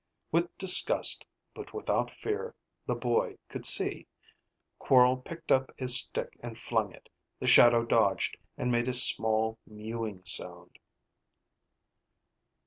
With disgust but without fear, the boy could see Quorl picked up a stick and flung it. The shadow dodged and made a small mewing sound.